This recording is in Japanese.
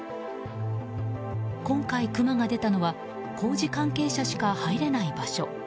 今回、クマが出たのは工事関係者しか入れない場所。